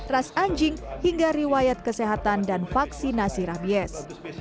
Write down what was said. ras anjing hingga riwayat kesehatan dan vaksinasi rabies